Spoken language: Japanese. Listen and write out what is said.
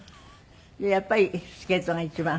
やっぱりスケートが一番？